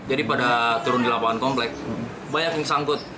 jadi pada turun di lapangan komplek banyak yang sangkut